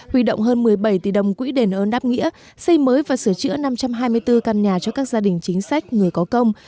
huy động hơn một mươi bảy tỷ đồng quỹ đền ơn đáp nghĩa xây mới và sửa chữa năm trăm hai mươi bốn căn nhà cho các gia đình chính sách người có công